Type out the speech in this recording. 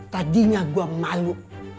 tadinya gue malu